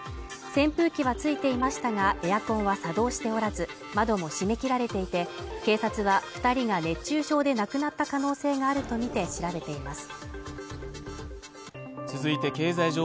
扇風機はついていましたがエアコンは作動しておらず窓も閉め切られていて警察は二人が熱中症で亡くなった可能性があるとみて調べています